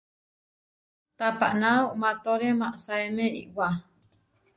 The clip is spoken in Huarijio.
Tapaná uʼmátore maʼasáeme iʼwá.